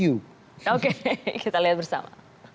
oke kita lihat bersama